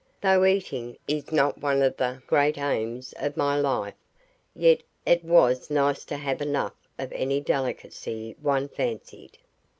Though eating is not one of the great aims of my life, yet it was nice to have enough of any delicacy one fancied.